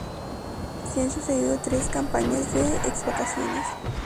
Se han sucedido tres campañas de excavaciones.